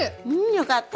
よかった。